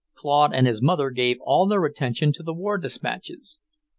Claude and his mother gave all their attention to the war despatches.